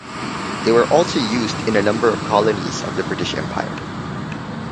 They were also used in a number of colonies of the British Empire.